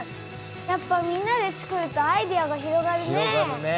やっぱみんなでつくるとアイデアが広がるね。